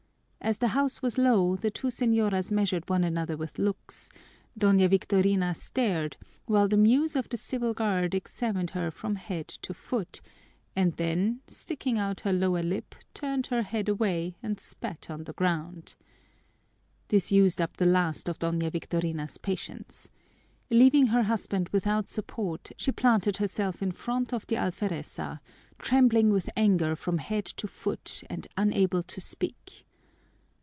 As the house was low, the two señoras measured one another with looks; Doña Victorina stared while the Muse of the Civil Guard examined her from head to foot, and then, sticking out her lower lip, turned her head away and spat on the ground. This used up the last of Doña Victorina's patience. Leaving her husband without support, she planted herself in front of the alfereza, trembling with anger from head to foot and unable to speak.